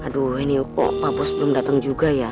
aduh ini kok pak bos belum datang juga ya